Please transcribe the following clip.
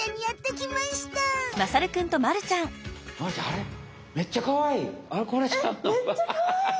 えっめっちゃかわいい！